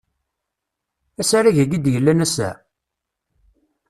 Asarag-agi i d-yellan ass-a?